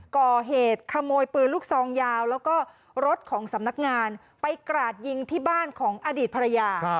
ก่อเหตุขโมยปืนลูกซองยาวแล้วก็รถของสำนักงานไปกราดยิงที่บ้านของอดีตภรรยา